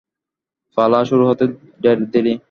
পালা শুরু হতে ঢের দেরি।